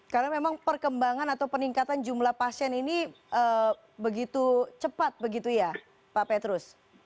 karena memang perkembangan atau peningkatan jumlah pasien ini begitu cepat begitu ya pak petrus